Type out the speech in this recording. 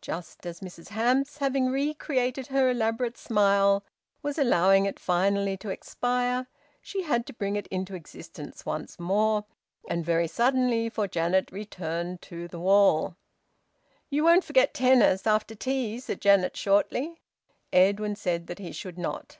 Just as Mrs Hamps, having re created her elaborate smile, was allowing it finally to expire, she had to bring it into existence once more, and very suddenly, for Janet returned to the wall. "You won't forget tennis after tea," said Janet shortly. Edwin said that he should not.